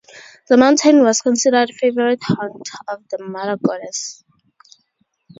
The mountain was considered a favorite haunt of the mother goddess.